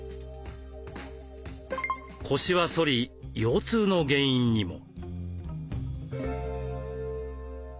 腰は反り腰痛の原因にも。